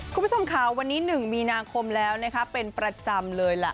คุณผู้ชมข่าววันนี้หนึ่งมีนาคมแล้วเป็นประจำเลยล่ะ